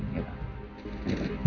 saya baru mesti pergi